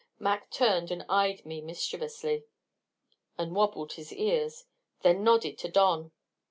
Mac turned and eyed me mischievously, and wobbled his ears, then nodded to Don.